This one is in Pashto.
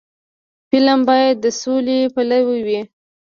فلم باید د سولې پلوي وي